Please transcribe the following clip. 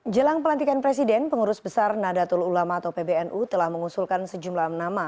jelang pelantikan presiden pengurus besar nadatul ulama atau pbnu telah mengusulkan sejumlah nama